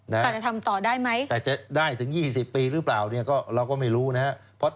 แต่จะทำต่อได้ไหมแต่จะได้ถึง๒๐ปีหรือเปล่าเนี่ยก็เราก็ไม่รู้นะครับ